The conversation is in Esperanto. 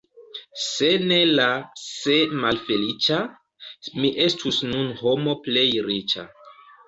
Se ne la "se" malfeliĉa, mi estus nun homo plej riĉa.